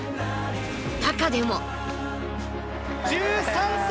中でも。